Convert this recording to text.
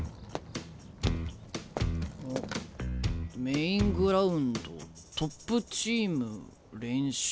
「メイングラウンドトップチーム練習」。